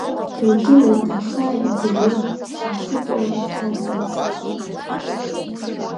Илдыруеит ахьааи агәырҩеи шаҳхыҵуа ԥҭаҵас.